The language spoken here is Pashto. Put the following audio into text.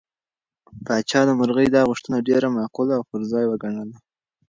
پاچا د مرغۍ دا غوښتنه ډېره معقوله او پر ځای وګڼله.